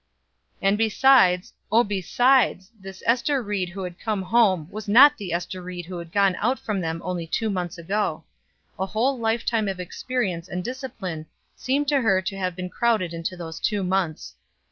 And besides, oh besides! this Ester Ried who had come home was not the Ester Ried who had gone out from them only two months ago. A whole lifetime of experience and discipline seemed to her to have been crowded into those two months.